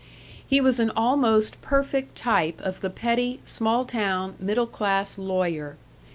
He was an almost perfect type of the petty small town middle class lawyer.